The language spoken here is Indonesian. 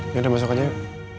ya udah masuk aja yuk